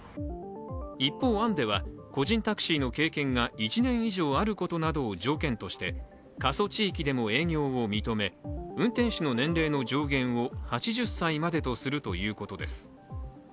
一方、案では、個人タクシーの経験が１年以上あることなどを条件として過疎地域でも営業を認め、運転手の年齢の上限を８０歳までとするということです。